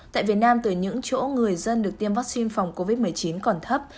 tại việt nam từ những chỗ người dân được tiêm vaccine phòng covid một mươi chín còn thấp